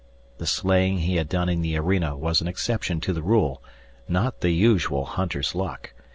The slaying he had done in the arena was an exception to the rule, not the usual hunter's luck.